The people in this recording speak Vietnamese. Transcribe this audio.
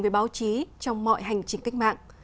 với báo chí trong mọi hành trình cách mạng